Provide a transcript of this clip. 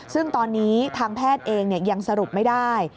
ซึ่งตอนนี้ทางแพทย์เองยังสรุปไม่ได้